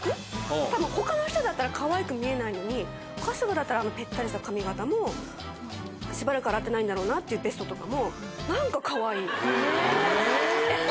多分他の人だったらかわいく見えないのに春日だったらあのぺったりした髪形もしばらく洗ってないんだろうなっていうベストとかも何か。